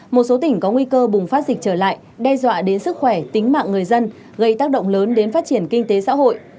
một số tỉnh có nguy cơ bùng phát dịch trở lại đe dọa đến sức khỏe tính mạng người dân gây tác động lớn đến phát triển kinh tế xã hội